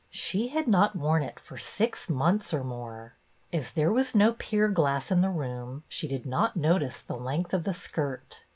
She had not worn it for six months or more. As there was no pier glass in the room she did not notice the length of the skirt.